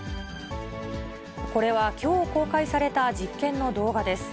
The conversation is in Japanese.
これはきょう公開された実験の動画です。